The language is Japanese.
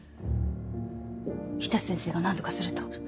常陸先生が何とかすると。